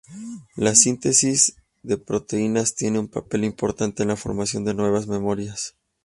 La síntesis de proteínas tiene un papel importante en la formación de nuevas memorias.